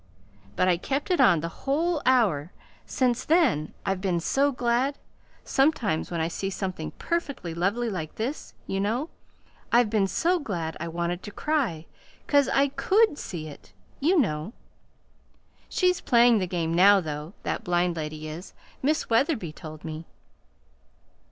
But I kept it on the whole hour. Since then I've been so glad, sometimes when I see something perfectly lovely like this, you know I've been so glad I wanted to cry; 'cause I COULD see it, you know. She's playing the game now, though that blind lady is. Miss Wetherby told me."